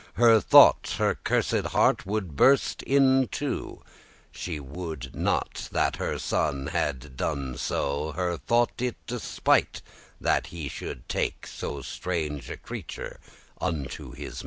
Her thought her cursed heart would burst in two; She would not that her son had done so; Her thought it a despite that he should take So strange a creature unto his make.